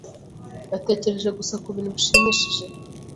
Natekereje gusa kubintu bishimishije.